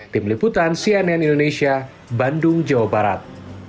tim liputan cnn indonesia bandung jawa barat